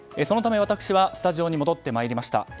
そのため私はスタジオに戻ってきました。